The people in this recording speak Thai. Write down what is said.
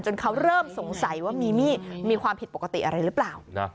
เขาเริ่มสงสัยว่ามีมีดมีความผิดปกติอะไรหรือเปล่า